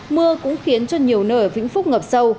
mưa cũng khiến cho nhiều nơi ở vĩnh phúc ngập sâu